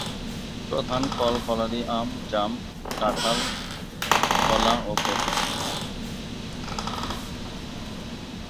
প্রধান ফল-ফলাদি আম, জাম, কাঁঠাল, কলা ও পেঁপে।